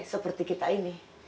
seperti kita ini